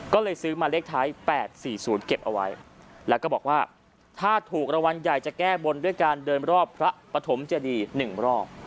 ก็เลยซื้อมาเลขท้าย๘๔๐เก็บเอาไว้แล้วก็บอกว่าถ้าถูกรางวัลใหญ่จะแก้บนด้วยการเดินรอบพระปฐมเจดี๑รอบ